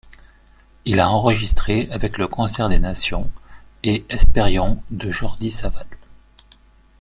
Il a enregistré avec Le Concert des Nations et Hesperion de Jordi Savall.